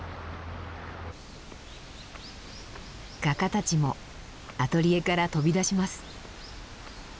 画家たちもアトリエから飛び出します。